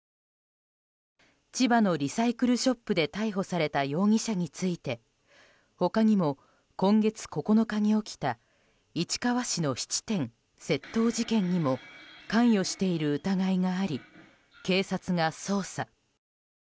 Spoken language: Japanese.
千葉のリサイクルショップで逮捕された容疑者について他にも今月９日に起きた市川市の質店窃盗事件にも関与している疑いがあり警察が捜査。